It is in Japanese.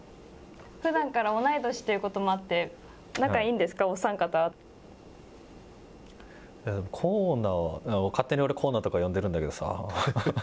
ふだんから同い年ということもあって、仲がいいんですか、お三光成は、勝手に俺、光成とか、呼んでるんだけどさ。